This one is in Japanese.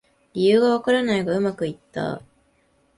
理由がわからないがうまくいった